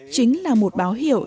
chính là một báo hiệu